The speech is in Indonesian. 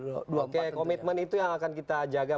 oke komitmen itu yang akan kita jaga